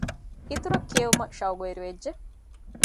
އިތުރަށް ކިޔެވުމަށް ޝަައުޤުވެރިވެއްޖެ